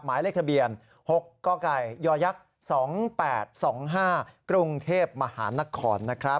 หมายเลขทะเบียน๖กย๒๘๒๕กรุงเทพฯมค